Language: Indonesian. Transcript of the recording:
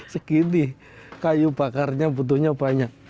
segini kayu bakarnya butuhnya banyak